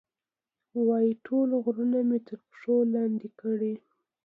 وایي، ټول غرونه مې تر پښو لاندې کړي.